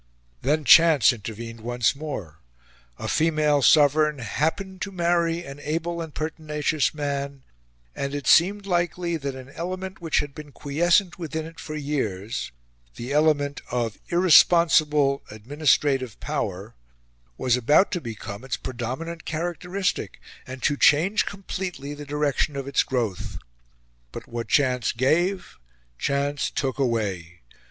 Then chance intervened once more; a female sovereign happened to marry an able and pertinacious man; and it seemed likely that an element which had been quiescent within it for years the element of irresponsible administrative power was about to become its predominant characteristic and to change completely the direction of its growth. But what chance gave chance took away.